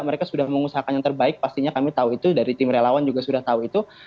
mereka sudah mengusahakan yang terbaik pastinya kami tahu itu dari tim relawan juga sudah tahu itu